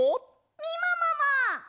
みももも！